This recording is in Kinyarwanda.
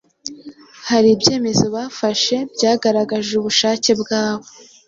Hari ibyemezo bafashe byagaragaje ubushake bwabo